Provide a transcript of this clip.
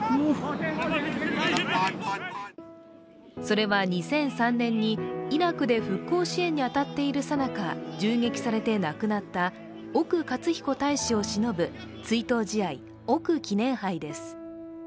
それは、２００３年にイラクで復興支援に当たっている最中、銃撃されて亡くなった奥克彦大使をしのぶ追悼試合、奥記念杯です。